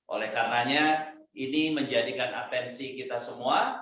oleh karenanya ini menjadikan atensi kita semua